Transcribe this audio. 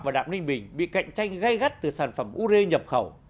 và đạm ninh bình bị cạnh tranh gây gắt từ sản phẩm ure nhập khẩu